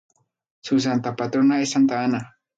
Su santa patrona es santa Ana.